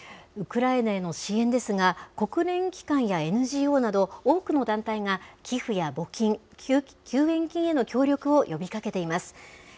ウクライナへの支援ですが、国連機関やＮＧＯなど、多くの団体が寄付や募金、救援金への協力を呼びかけています。